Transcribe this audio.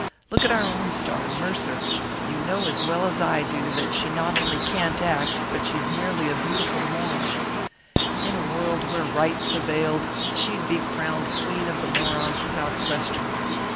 Look at our own star, Mercer. You know as well as I do that she not only can't act, but she's merely a beautiful moron. In a world where right prevailed she'd be crowned queen of the morons without question.